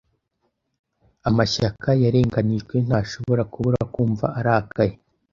Amashyaka yarenganijwe ntashobora kubura kumva arakaye.